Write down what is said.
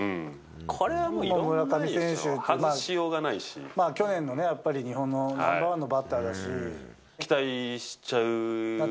これはもう、村上選手、去年のね、やっぱり、日本のナンバーワンのバッターだし。